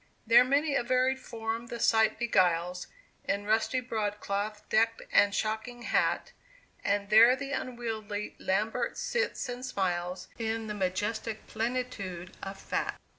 There many a varied form the sight beguiles, In rusty broadcloth decked and shocking hat, And there the unwieldy Lambert sits and smiles, In the majestic plenitude of fat.